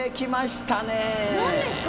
何ですか？